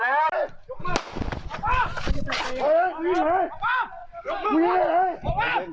เฮ้อยู่ไหนเนี้ย